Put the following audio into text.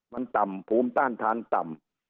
มันต่ำภูมิต้านทานต่ำ